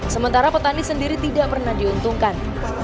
sementara petani sendiri tidak pernah diuntungkan